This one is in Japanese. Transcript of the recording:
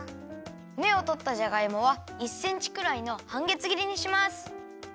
めをとったじゃがいもは１センチくらいのはんげつぎりにします。